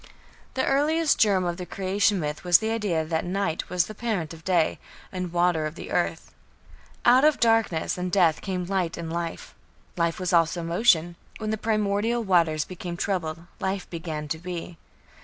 The earliest germ of the Creation myth was the idea that night was the parent of day, and water of the earth. Out of darkness and death came light and life. Life was also motion. When the primordial waters became troubled, life began to be.